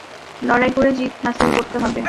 লড়াই করে জিত হাসিল করতে হবে!